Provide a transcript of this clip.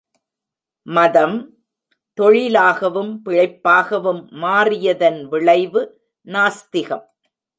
மதம், தொழிலாகவும் பிழைப்பாகவும் மாறியதன் விளைவு நாஸ்திகம்.